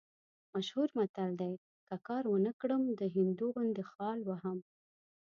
مشهور متل دی: که کار ونه کړم، د هندو غوندې خال وهم.